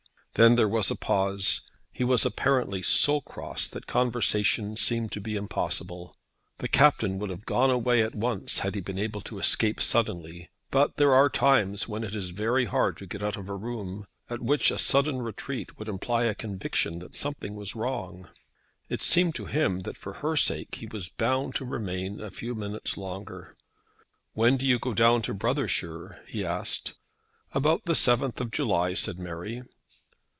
Then there was a pause. He was apparently so cross that conversation seemed to be impossible. The Captain would have gone away at once had he been able to escape suddenly. But there are times when it is very hard to get out of a room, at which a sudden retreat would imply a conviction that something was wrong. It seemed to him that for her sake he was bound to remain a few minutes longer. "When do you go down to Brothershire?" he asked. "About the 7th of July," said Mary.